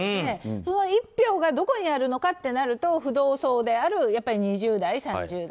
その１票がどこにあるのかとなると浮動層である２０代、３０代。